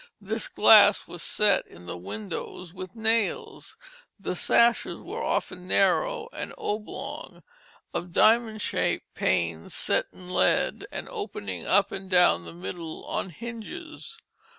This glass was set in the windows with nails; the sashes were often narrow and oblong, of diamond shaped panes set in lead, and opening up and down the middle on hinges.